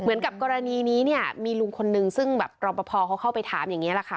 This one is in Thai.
เหมือนกับกรณีนี้มีลงคนนึงซึ่งแบบรอบพอร์เขาเข้าไปถามอย่างนี้แหละค่ะ